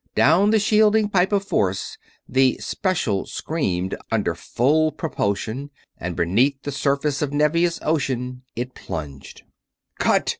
Down the shielding pipe of force the "Special" screamed under full propulsion, and beneath the surface of Nevia's ocean it plunged. "Cut!"